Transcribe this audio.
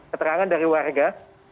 keterangan dari warga